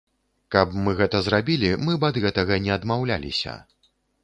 Каб мы гэта зрабілі, мы б ад гэтага не адмаўляліся.